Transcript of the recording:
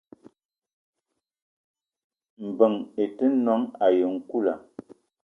Mbeng i te noong ayi nkoula.